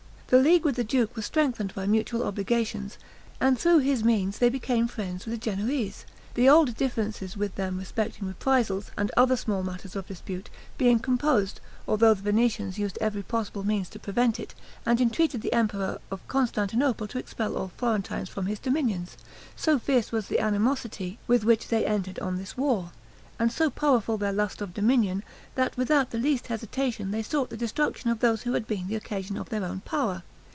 The League with the duke was strengthened by mutual obligations, and through his means they became friends with the Genoese, the old differences with them respecting reprisals, and other small matters of dispute, being composed, although the Venetians used every possible means to prevent it, and entreated the emperor of Constantinople to expel all Florentines from his dominions; so fierce was the animosity with which they entered on this war, and so powerful their lust of dominion, that without the least hesitation they sought the destruction of those who had been the occasion of their own power.